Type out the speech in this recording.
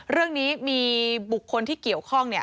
เรื่องนี้มีบุคคลที่เกี่ยวข้อง